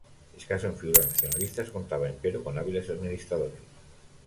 Escaso en figuras nacionalistas, contaba, empero, con hábiles administradores.